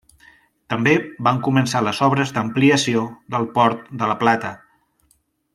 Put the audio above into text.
També van començar les obres d'ampliació del Port de la Plata.